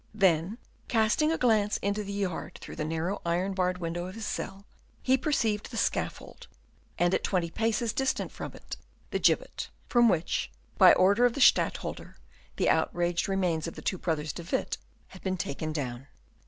Then, casting a glance into the yard through the narrow iron barred window of his cell, he perceived the scaffold, and, at twenty paces distant from it, the gibbet, from which, by order of the Stadtholder, the outraged remains of the two brothers De Witt had been taken down.